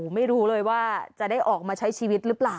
ไม่รู้เลยว่าจะได้ออกมาใช้ชีวิตหรือเปล่า